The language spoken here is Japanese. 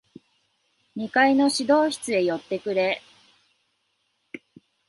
二階の指導室へ寄ってくれ。